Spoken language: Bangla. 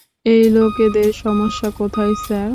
এই লোকেদের সমস্যা কোথায়, স্যার?